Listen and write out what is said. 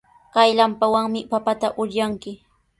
Kay lampawanmi papata uryanki.